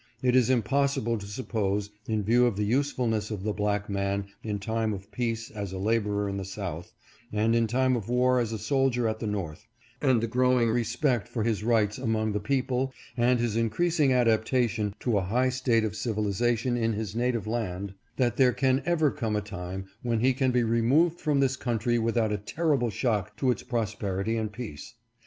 It is impossible to suppose, in view of the use fulness of the black man in time of peace as a laborer in the South, and in time of war as a soldier at the North, and the gi'owing respect for his rights among the people and his increasing adaptation to a high state of civilization in his native land, that there can ever come a time when he can be removed from this country without a terrible shock to its prosperity and peace.